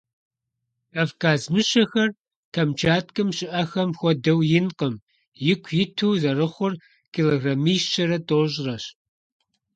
Кавказ мыщэхэр Камчаткэм щыIэхэм хуэдэу инкъым - ику иту зэрыхъур килограммищэрэ тIощIрэщ.